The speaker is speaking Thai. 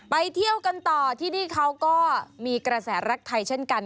ไปเที่ยวกันต่อที่นี่เขาก็มีกระแสรักไทยเช่นกัน